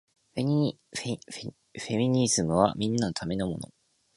フェミニズムはみんなのためのもの